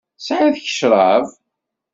Tesεiḍ ccrab?